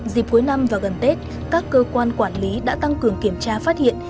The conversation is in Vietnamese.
dịp cuối năm và gần tết các cơ quan quản lý đã tăng cường kiểm tra phát hiện